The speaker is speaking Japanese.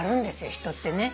人ってね。